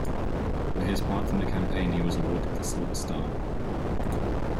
For his part in this campaign he was awarded the Silver Star.